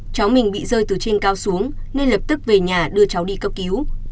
cháu mình bị rơi từ trên cao xuống nên lập tức về nhà đưa cháu đi cấp cứu